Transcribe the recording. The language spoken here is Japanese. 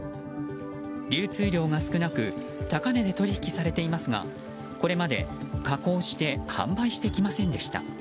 流通量が少なく高値で取り引きされていますがこれまで加工して販売してきませんでした。